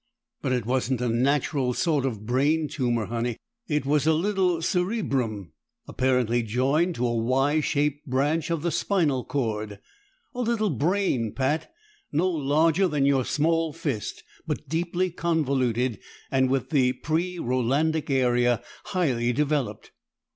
But it wasn't a natural sort of brain tumor, Honey. It was a little cerebrum, apparently joined to a Y shaped branch of the spinal cord. A little brain, Pat no larger than your small fist, but deeply convoluted, and with the pre Rolandic area highly developed."